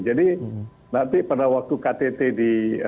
jadi nanti pada waktu ktt di